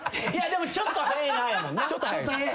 「ちょっと早いな」やもんな。